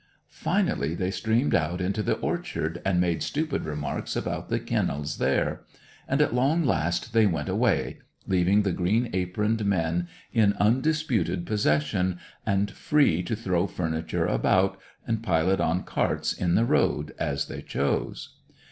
Finally, they streamed out into the orchard, and made stupid remarks about the kennels there; and at long last they went away, leaving the green aproned men in undisputed possession, and free to throw furniture about, and pile it on carts in the road, as they chose.